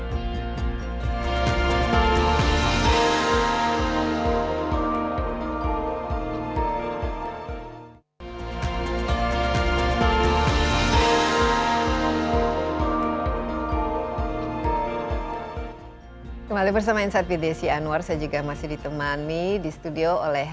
mbak dewi tadi kita bicara mengenai bagaimana kita bisa membuat bisnis yang lebih mudah dan lebih mudah